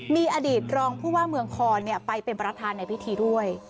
มีอดีตรองผู้ว่าเมืองคอนไปเป็นประธานในพิธีด้วย